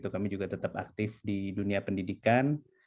kami juga tetap aktif di dunia pendidikan